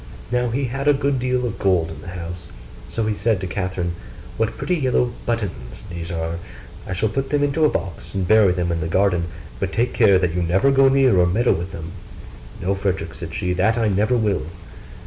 Now he had a good deal of gold in the house: so he said to Catherine, 'What pretty yellow buttons these are! I shall put them into a box and bury them in the garden; but take care that you never go near or meddle with them.' 'No, Frederick,' said she, 'that I never will.